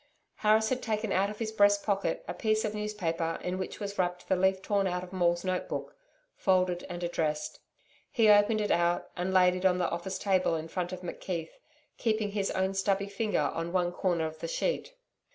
Harris had taken out of his breast pocket, a piece of newspaper in which was wrapped the leaf torn out of Maule's notebook, folded and addressed. He opened it out, and laid it on the office table in front of McKeith, keeping his own stubby finger on one corner of the sheet.